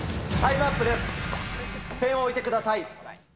ペンを置いてください。